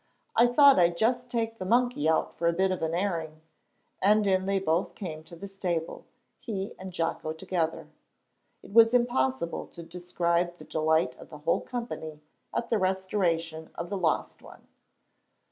"I thought I'd just take the monkey out for a bit of an airing;" and in they both came to the stable, he and Jocko together. It was impossible to describe the delight of the whole company at the restoration of the lost one.